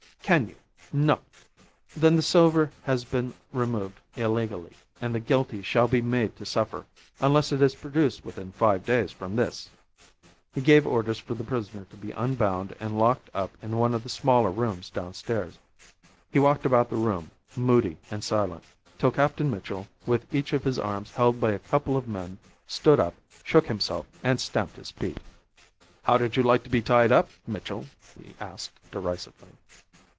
Can you? No. Then the silver has been removed illegally, and the guilty shall be made to suffer, unless it is produced within five days from this." He gave orders for the prisoner to be unbound and locked up in one of the smaller rooms downstairs. He walked about the room, moody and silent, till Captain Mitchell, with each of his arms held by a couple of men, stood up, shook himself, and stamped his feet. "How did you like to be tied up, Mitchell?" he asked, derisively.